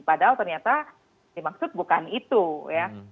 padahal ternyata dimaksud bukan itu ya